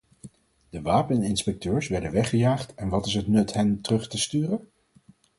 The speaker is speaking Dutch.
De wapeninspecteurs werden weggejaagd en wat is het nut hen terug te sturen?